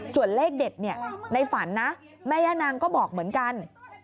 ส่วนเลขเด็ดในฝันนะแม่ย่านางก็บอกเหมือนกัน